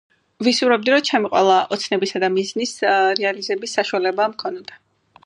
ვისურვებდი, რომ ჩემი ყველა ოცნებისა და მიზნის... ეე... რეალიზების საშუალება მქონოდა.